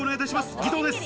義堂です。